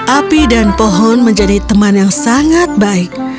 api dan pohon menjadi teman yang sangat baik